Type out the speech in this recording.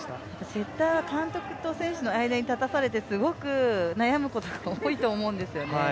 セッターは監督と選手の間に立たされてすごく悩むことが多いと思うんですよね。